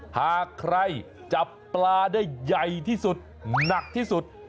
หากใครจับปลาได้ใหญ่ที่สุดหนักที่สุด